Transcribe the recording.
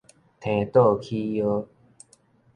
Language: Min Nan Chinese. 䖙倒起腰